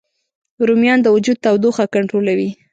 رومیان د وجود تودوخه کنټرولوي